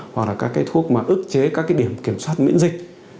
hoặc là các thuốc mà ức chế các điểm kiểm soát miễn dịch